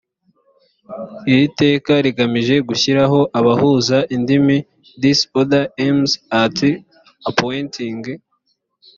iri teka rigamije gushyiraho abahuza indimi this order aims at appointing